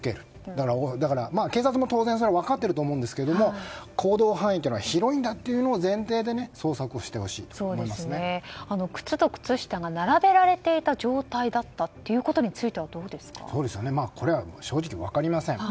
だから、警察も当然それは分かってると思うんですが行動範囲は広いんだということを前提で靴と靴下が並べられていた状態だったということについてはこれは正直、分かりません。